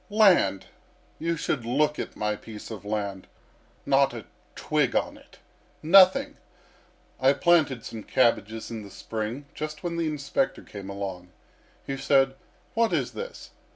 "Land! You should look at my piece of land. Not a twig on it nothing. I planted some cabbages in the spring, just when the inspector came along. He said: 'What is this?